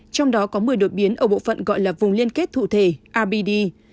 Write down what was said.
trong đó có một mươi đột biến ở bộ phận gọi là vùng liên kết thụ thể abd